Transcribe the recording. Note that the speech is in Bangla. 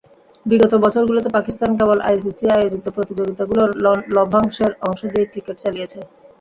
বিগত বছরগুলোতে পাকিস্তান কেবল আইসিসি আয়োজিত প্রতিযোগিতাগুলোর লভ্যাংশের অংশ দিয়েই ক্রিকেট চালিয়েছে।